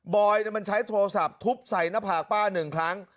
อยมันใช้โทรศัพท์ทุบใส่หน้าผากป้าหนึ่งครั้ง